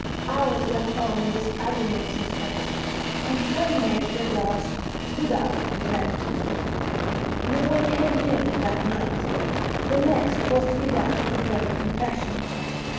Hours went on in this agony of suspense, and terminated at last without an event. No one came near me that night—the next was to be that of the great confession.